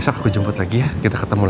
saya gak ingat satu persatu